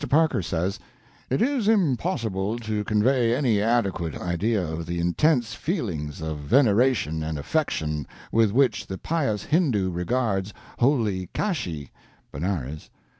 Parker says: "It is impossible to convey any adequate idea of the intense feelings of veneration and affection with which the pious Hindoo regards 'Holy Kashi' (Benares)."